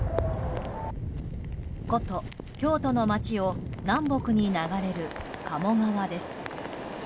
古都・京都の街を南北に流れる鴨川です。